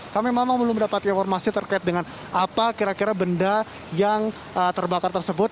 kami memang belum mendapat informasi terkait dengan apa kira kira benda yang terbakar tersebut